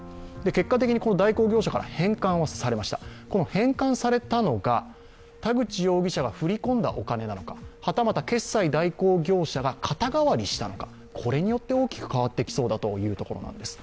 返還されたのが田口容疑者が振り込んだお金なのか、はたまた決済代行業者が肩代わりしたのか、これによって大きく変わってきそうだということです。